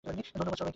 ধন্যবাদ, সবাইকে!